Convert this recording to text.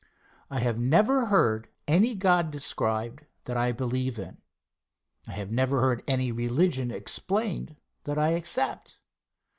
I have never heard any God described that I believe in. I have never heard any religion explained that I accept.